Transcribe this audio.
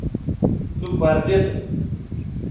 تو پر زید